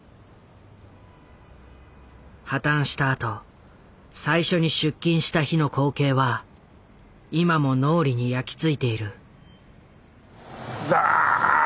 破たんしたあと最初に出勤した日の光景は今も脳裏に焼き付いている。